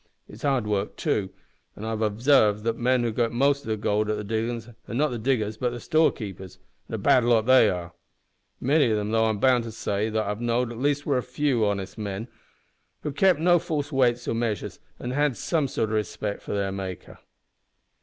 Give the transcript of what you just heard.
It's hard work, too, an' I've obsarved that the men who get most gold at the diggin's are not the diggers but the storekeepers, an' a bad lot they are, many of 'em, though I'm bound to say that I've knowed a few as was real honest men, who kep' no false weights or measures, an' had some sort of respec' for their Maker.